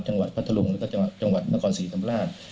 จังหวัดพัทธรุงและก็จังหวัดนครศรีธรรมราช